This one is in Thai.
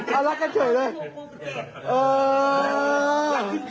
เออแล้วลักกันเฉยเลย